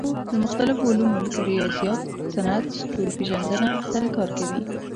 له مختلفو علومو لکه ریاضیات، صنعت، ستوري پېژندنه سره کار کوي.